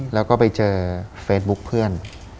แล้วก็ไปเจอเฟซบุ๊คเพื่อน